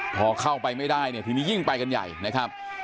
พอเข้าไปไม่ได้เนี่ยทีนี้ยิ่งไปกันใหญ่นะครับ